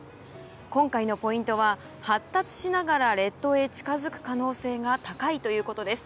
今回のポイントは、発達しながら列島に近づく可能性が高いということです。